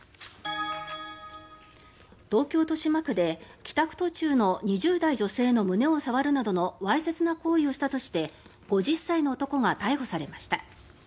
東京・豊島区で帰宅途中の２０代女性の胸を触るなどのわいせつな行為をしたとして５０歳の男が逮捕されました。